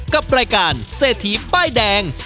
กับรายการเศรษฐีป้ายแดง